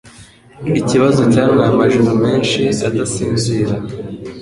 Ikibazo cyantwaye amajoro menshi adasinzira